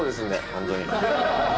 ホントに。